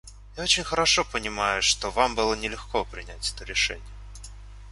Я очень хорошо понимаю, что вам было нелегко принять это решение.